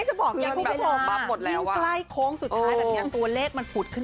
เอาล่ะสวัสดีค่ะลาไปซื้อลอตเตอรี่ก่อน